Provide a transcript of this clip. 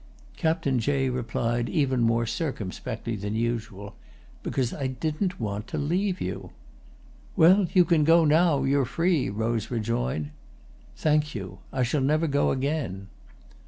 Captain Jay replied even more circumspectly than usual. "Because I didn't want to leave you." "Well, you can go now; you're free," Rose rejoined. "Thank you. I shall never go again."